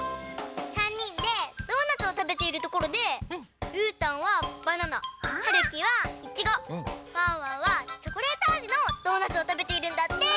３人でドーナツをたべているところでうーたんはバナナはるきはいちごワンワンはチョコレートあじのドーナツをたべているんだって！